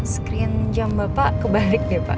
screen jam bapak kebalik nih pak